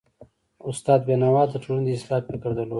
استاد بینوا د ټولني د اصلاح فکر درلود.